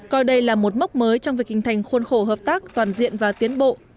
coi đây là một mốc mới trong việc hình thành khuôn khổ hợp tác toàn diện và tiến bộ